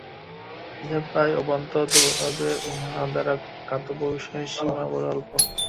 ইহা প্রায় অভ্রান্ত, তবে উহা দ্বারা জ্ঞাতব্য বিষয়ের সীমা বড় অল্প।